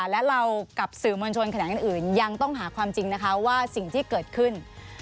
และเรากับสื่อมวลชนแขนงอื่นยังต้องหาความจริงนะคะว่าสิ่งที่เกิดขึ้น